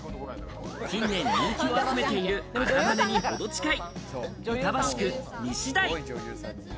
近年、人気を集めている赤羽にほど近い板橋区西台。